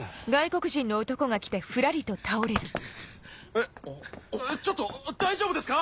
えっちょっと大丈夫ですか？